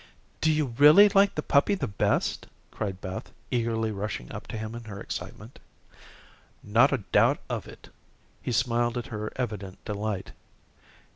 "Do you really like the puppy the best?" cried Beth, eagerly rushing up to him in her excitement. "Not a doubt of it." He smiled at her evident delight.